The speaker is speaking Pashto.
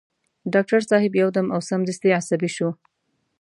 ډاکټر صاحب يو دم او سمدستي عصبي شو.